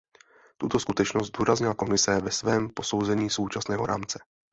Tuto skutečnost zdůraznila Komise ve svém posouzení současného rámce.